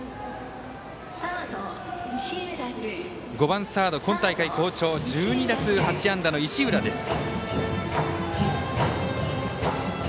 ５番サード、今大会好調１２打数８安打の石浦です。